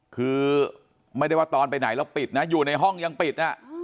คือไม่ได้ว่าตอนไปไหนแล้วปิดนะอยู่ในห้องยังปิด